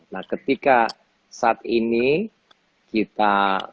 nah ketika saat ini kita